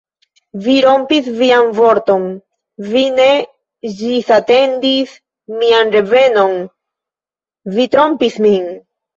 Vi rompis vian vorton, vi ne ĝisatendis mian revenon, vi trompis min!